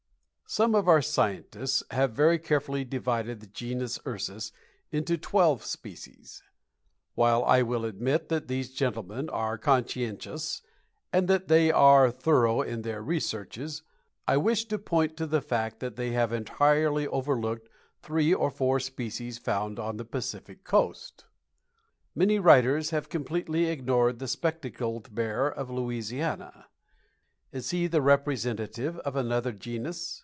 _ Some of our scientists have very carefully divided the Genus Ursus into twelve species. While I will admit that these gentlemen are conscientious and that they are thorough in their researches, I wish to point to the fact that they have entirely overlooked three or four species found on the Pacific Coast. Many writers have completely ignored the spectacled bear of Louisiana. Is he the representative of another genus?